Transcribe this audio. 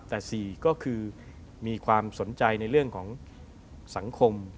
แต่๔ก็คือมีความสนใจในเรื่องของสังคม